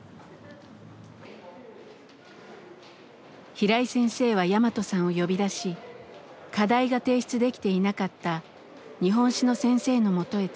平井先生はヤマトさんを呼び出し課題が提出できていなかった日本史の先生のもとへ連れていきました。